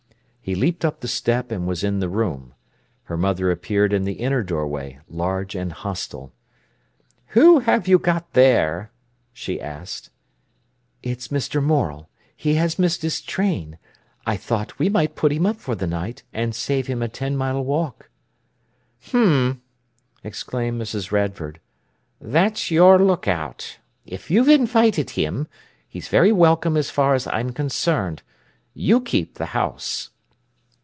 He leaped up the step and was in the room. Her mother appeared in the inner doorway, large and hostile. "Who have you got there?" she asked. "It's Mr. Morel; he has missed his train. I thought we might put him up for the night, and save him a ten mile walk." "H'm," exclaimed Mrs. Radford. "That's your lookout! If you've invited him, he's very welcome as far as I'm concerned. You keep the house!"